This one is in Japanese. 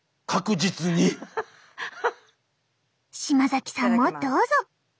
島崎さんもどうぞ！